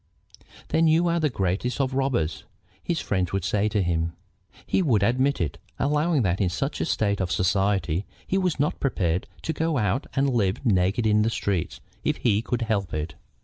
"Then you are the greatest of robbers," his friends would say to him. He would admit it, allowing that in such a state of society he was not prepared to go out and live naked in the streets if he could help it.